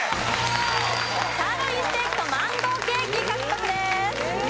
サーロインステーキとマンゴーケーキ獲得です。